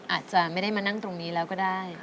อาจจะไม่ได้มานั่งตรงนี้แล้วก็ได้